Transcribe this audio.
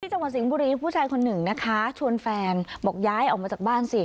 จังหวัดสิงห์บุรีผู้ชายคนหนึ่งนะคะชวนแฟนบอกย้ายออกมาจากบ้านสิ